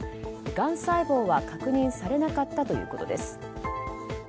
がん細胞は確認されなかったということです。